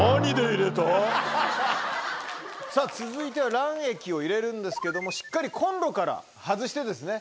さぁ続いては卵液を入れるんですけどもしっかりコンロから外してですね。